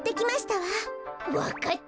わかった。